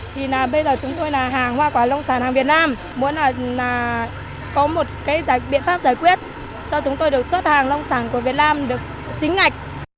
thì bây giờ chúng tôi là hàng hoa quả lông sản hàng việt nam muốn là có một cái biện pháp giải quyết cho chúng tôi được xuất hàng lông sản của việt nam được chính ngạch